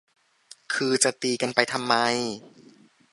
คือจะตีกันไปทำไม